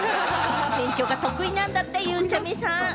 勉強が得意なんだって、ゆうちゃみさん。